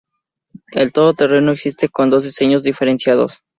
El todoterreno existe con dos diseños diferenciados.